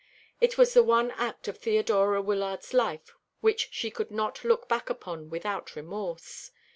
It was the one act of Theodora Wyllard's life which she could not look back upon without remorse.